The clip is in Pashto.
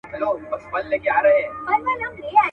جام دي کم ساقي دي کمه بنګ دي کم.